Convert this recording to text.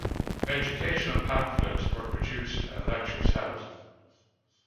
Educational pamphlets were produced and lectures held.